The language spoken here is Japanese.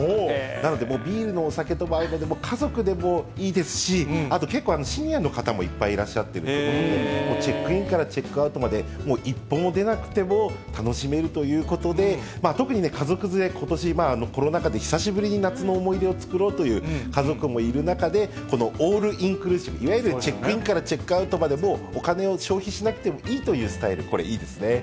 なので、もうビールともお酒とも合うので、家族でもいいですし、あと、結構、シニアの方もいっぱいいらっしゃってるので、チェックインからチェックアウトまで、もう一歩も出なくても楽しめるということで、特に家族連れ、ことしコロナ禍で久しぶりに夏の思い出を作ろうという家族もいる中で、このオールインクルーシブ、いわゆるチェックインからチェックアウトまで、もう、お金を消費しなくてもいいというスタイル、これいいですね。